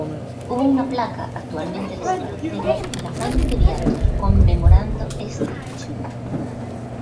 Hubo una placa, actualmente desaparecida, en la fuente de Viator conmemorando este hecho.